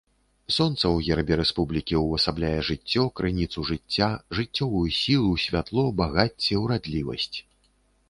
Сонца ў гербе рэспублікі ўвасабляе жыццё, крыніцу жыцця, жыццёвую сілу, святло, багацце, урадлівасць.